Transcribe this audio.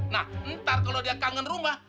nah ntar kalau dia kangen rumah